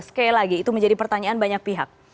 sekali lagi itu menjadi pertanyaan banyak pihak